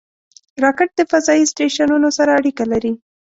راکټ د فضایي سټیشنونو سره اړیکه لري